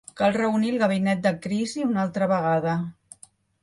Cal reunir el gabinet de crisi una altra vegada.